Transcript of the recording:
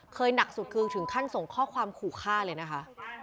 หนักสุดคือถึงขั้นส่งข้อความขู่ฆ่าเลยนะคะ